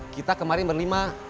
kita kemarin berlima